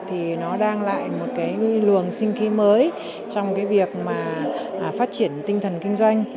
thì nó đang lại một cái luồng sinh khí mới trong cái việc mà phát triển tinh thần kinh doanh